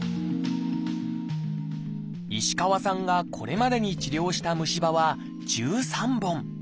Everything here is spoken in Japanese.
石川さんがこれまでに治療した虫歯は１３本。